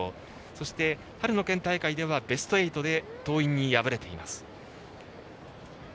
そして春の県大会ではベスト８で桐蔭に敗れています。